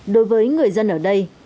đối với người dân ở đây